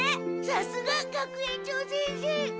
さすが学園長先生！